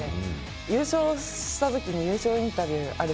優勝した時に優勝インタビューあるじゃないですか。